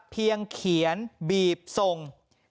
เพียงเขียนบีบทรง